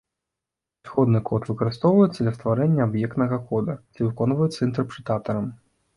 Зыходны код выкарыстоўваецца для стварэння аб'ектнага кода, ці выконваецца інтэрпрэтатарам.